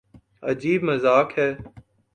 عجیب مذاق ہے۔